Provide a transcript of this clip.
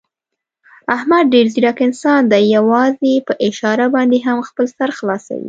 احمد ډېر ځیرک انسان دی، یووازې په اشاره باندې هم خپل سر خلاصوي.